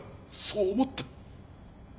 そう思った。